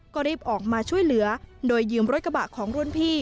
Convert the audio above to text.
ก็รีบออกมาช่วยเหลือโดยยืมรถกระบะของรุ่นพี่